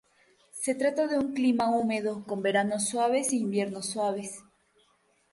Se trata de un clima húmedo, con veranos suaves e inviernos suaves.